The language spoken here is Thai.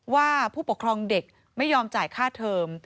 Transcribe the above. ว่าผู้ปกครองเด็กไม่ยอมจ่ายค่าเทอม